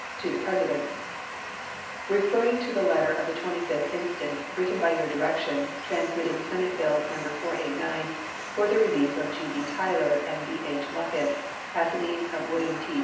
The PRESIDENT: Referring to the letter of the 25th instant, written by your direction, transmitting Senate bill No. 489, "for the relief of G.B. Tyler and B.H. Luckett, assignees of William T.